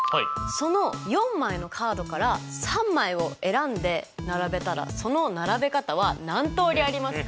その４枚のカードから３枚を選んで並べたらその並べ方は何通りありますか？